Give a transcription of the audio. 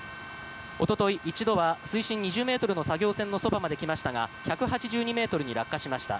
一昨日、一度は水深２０ｍの作業船のそばまで来ましたが１８２ｍに落下しました。